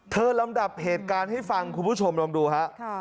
ลำดับเหตุการณ์ให้ฟังคุณผู้ชมลองดูฮะ